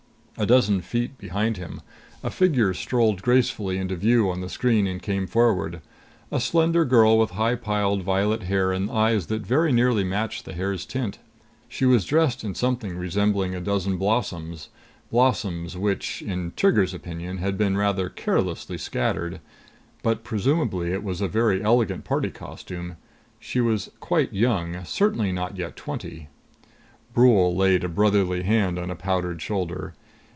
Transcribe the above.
A dozen feet behind him, a figure strolled gracefully into view on the screen and came forward. A slender girl with high piled violet hair and eyes that very nearly matched the hair's tint. She was dressed in something resembling a dozen blossoms blossoms which, in Trigger's opinion, had been rather carelessly scattered. But presumably it was a very elegant party costume. She was quite young, certainly not yet twenty. Brule laid a brotherly hand on a powdered shoulder.